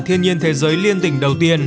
thiên nhiên thế giới liên tỉnh đầu tiên